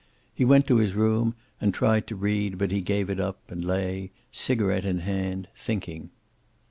He went to his room and tried to read, but he gave it up, and lay, cigaret in hand, thinking!